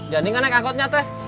jangan inget angkotnya tuh